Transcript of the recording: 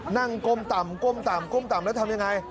นั่งก้มต่ำแล้วทำอย่างไร